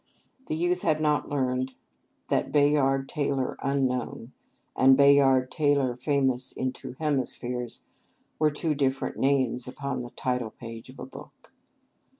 The youth had not learned that Bayard Taylor unknown, and Bayard Taylor famous in two hemispheres, were two different names upon the title page of a book.